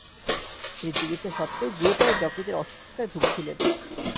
তিনি চিকিৎসা সত্ত্বেও গুরুতর যকৃতের অসুস্থতায় ভুগছিলেন।